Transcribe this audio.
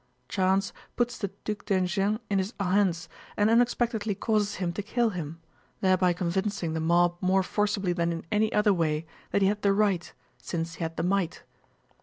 Chance puts the Duc d'Enghien in his hands and unexpectedly causes him to kill him—thereby convincing the mob more forcibly than in any other way that he had the right, since he had the might.